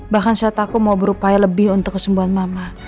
bahkan syarat aku mau berupaya lebih untuk kesembuhan mama